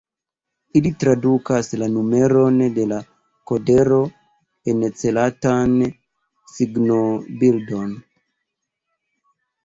Ili tradukas la numeron de la kodero en celatan signobildon.